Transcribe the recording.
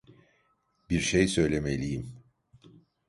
Bir şey söylemeliyim.